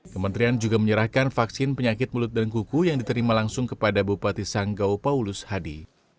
kementerian juga menyerahkan vaksin penyakit mulut dan kuku yang diterima langsung kepada bupati sanggau paulus hadi